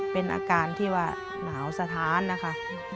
เป็นอาการที่ว่าหนาวสถานนะคะ